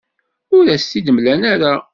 Ur as-t-id-mlan ara.